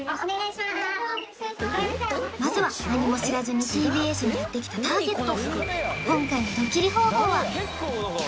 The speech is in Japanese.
まずは何も知らずにＴＢＳにやってきたターゲット